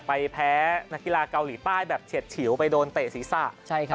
แพ้นักกีฬาเกาหลีใต้แบบเฉียดฉิวไปโดนเตะศีรษะ